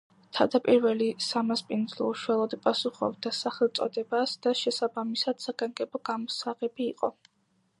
თავდაპირველი სამასპინძლო უშუალოდ პასუხობდა სახელწოდებას და, შესაბამისად საგანგებო გამოსაღები იყო.